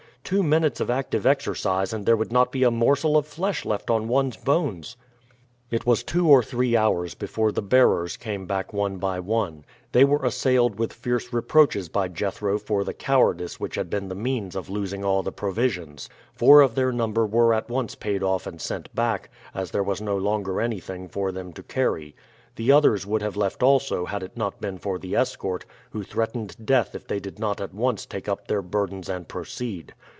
Two minutes of active exercise and there would not be a morsel of flesh left on one's bones." It was two or three hours before the bearers came back one by one. They were assailed with fierce reproaches by Jethro for the cowardice which had been the means of losing all the provisions. Four of their number were at once paid off and sent back, as there was no longer anything for them to carry. The others would have left also had it not been for the escort, who threatened death if they did not at once take up their burdens and proceed.